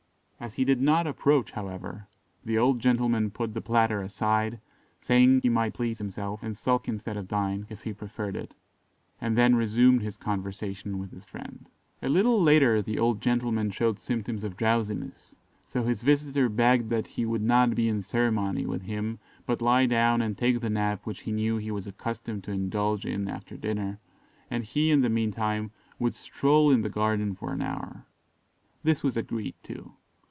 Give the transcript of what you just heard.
As he did not approach, however, the old gentleman put the platter aside, saying he might please himself, and sulk instead of dine, if he preferred it; and then resumed his conversation with his friend. A little later the old gentleman showed symptoms of drowsiness, so his visitor begged that he would not be on ceremony with him, but lie down and take the nap which he knew he was accustomed to indulge in after dinner, and he in the meantime would stroll in the garden for an hour. This was agreed to.